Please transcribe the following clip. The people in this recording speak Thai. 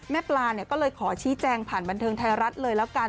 ปลาก็เลยขอชี้แจงผ่านบันเทิงไทยรัฐเลยแล้วกัน